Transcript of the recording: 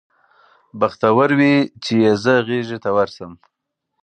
بختور وي چي یې زه غیږي ته ورسم